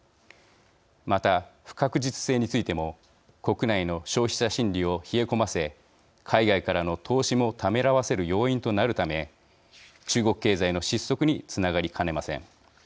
また不確実性についても国内の消費者心理を冷え込ませ海外からの投資もためらわせる要因となるため中国経済の失速につながりかねません。